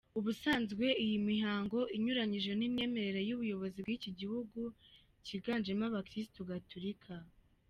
Ubusanzwe iyi mihango inyuranyije n’imyemerere y’ubuyobozi bw’iki gihugu cyiganjemo Abakirisitu Gatolika.